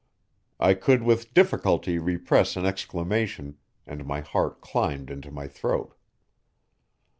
I could with difficulty repress an exclamation, and my heart climbed into my throat.